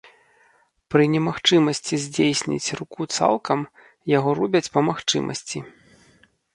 Пры немагчымасці здзейсніць руку цалкам, яго робяць па магчымасці.